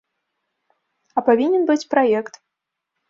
А павінен быць праект.